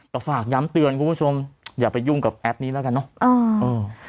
แต่ฝากย้ำเตือนคุณผู้ชมอย่าไปยุ่งกับแอปนี้แล้วกันเนอะอ่าเออ